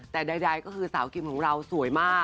แต่ใดก็คือสาวกิมของเราสวยมาก